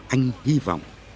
anh hy vọng